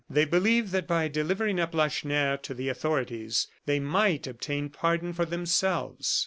They believed that by delivering up Lacheneur to the authorities, they might obtain pardon for themselves.